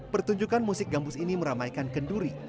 pertunjukan musik gambus ini meramaikan kenduri yang dikelas